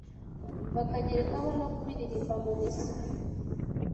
bakagerekaho no kubiririmba mu misa,